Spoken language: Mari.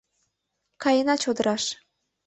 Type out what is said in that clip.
Каена чодыраш.